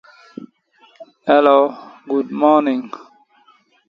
Doctor Octopus reveals himself as the cloning experiments' mastermind responsible for Jessica.